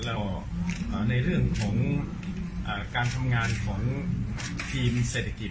แล้วก็ในเรื่องของการทำงานของทีมเศรษฐกิจ